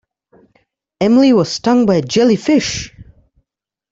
Emily was stung by a jellyfish.